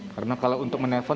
karena kalau untuk menelepon